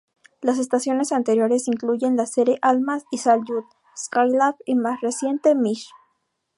Las estaciones anteriores incluyen la serie Almaz y Salyut, Skylab, y más recientemente "Mir".